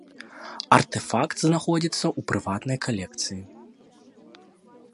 Артэфакт знаходзіцца ў прыватнай калекцыі.